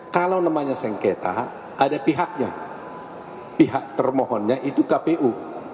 kalau namanya sengketa ada pihaknya pihak termohonnya itu kpu